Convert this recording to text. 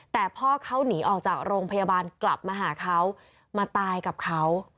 แต่พ่อเขาหนีออกจากโรงพยาบาลกลับมาหาเขามาตายกับเขา